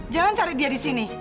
jangan cari dia disini